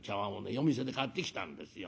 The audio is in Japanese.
夜店で買ってきたんですよ。